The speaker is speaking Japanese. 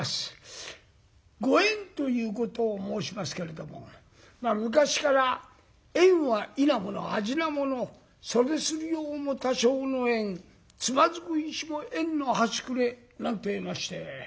「ご縁」ということを申しますけれども昔から「縁は異なもの味なもの」「袖すり合うも多生の縁」「躓く石も縁のはしくれ」なんて言いましてね。